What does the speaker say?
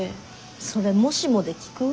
それ「もしも」で聞く？